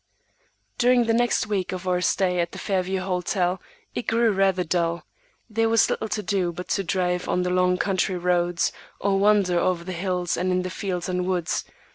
During the next week of our stay at the Fairview hotel, it grew rather dull. There was little to do but drive on the long country roads, or wander over the hills and in the fields and woods.